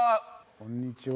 こんにちは。